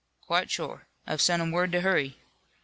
"Quite shore. I've sent 'em word to hurry."